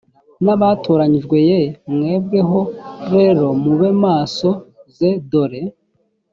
n abatoranyijwe y mwebweho rero mube maso z dore